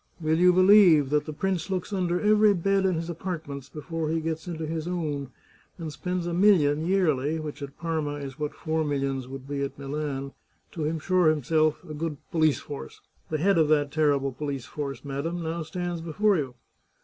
Will you believe that the prince looks under every bed in his apartments before he gets into his own, and spends a million yearly — which at Parma is what four millions would be at Milan — to insure himself a good police force. The head of that terrible police force, madam, now stands before you.